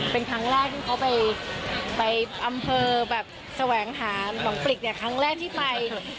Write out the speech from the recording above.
เป็นครั้งแรกที่เขาไปอำเภอแบบแสวงหาหนองปริกเนี่ยครั้งแรกที่ไป